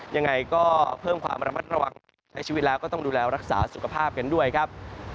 ยังไงก็เพิ่มความระมัดระวังใช้ชีวิตแล้วก็ต้องดูแลรักษาสุขภาพกันด้วยครับ